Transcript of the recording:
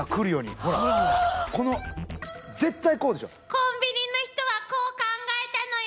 コンビニの人はこう考えたのよ！